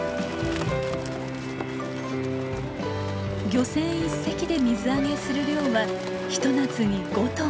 漁船一隻で水揚げする量はひと夏に５トン。